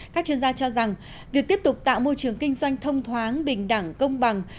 các chuyên gia cho rằng việc tiếp tục tạo môi trường kinh doanh thông thoáng bình đẳng công bằng